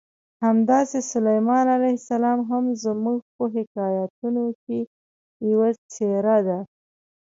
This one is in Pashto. همداسې سلیمان علیه السلام هم زموږ په حکایتونو کې یوه څېره ده.